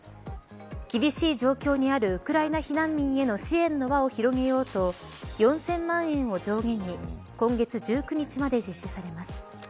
厳しい状況にあるウクライナ避難民への支援の輪を広げようと４０００万円を上限に今月１９日まで実施されます。